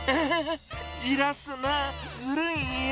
じらすな、ずるいよ。